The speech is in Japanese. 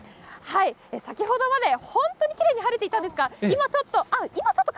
先ほどまで本当にきれいに晴れていたんですが、今ちょっと、